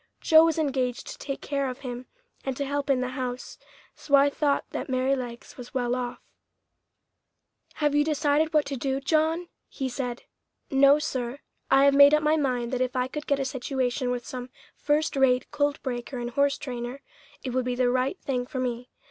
Joe was engaged to take care of him and to help in the house, so I thought that Merrylegs was well off. "Have you decided what to do, John?" he said. "No, sir; I have made up my mind that if I could get a situation with some first rate colt breaker and horse trainer, it would be the right thing for me.